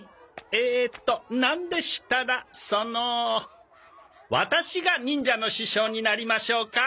えっとなんでしたらそのワタシが忍者の師匠になりましょうか？